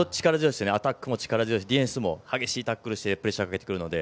アタックも力強いですしディフェンスも激しいタックルしてプレッシャーかけてくるので。